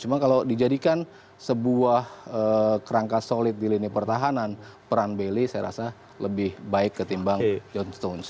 cuma kalau dijadikan sebuah kerangka solid di lini pertahanan peran bailey saya rasa lebih baik ketimbang john stone